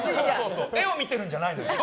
絵を見てるんじゃないのよ。